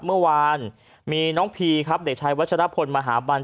เมื่อวานมีน้องพีครับเด็กชายวัชรพลมหาบัน